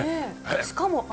しかも青。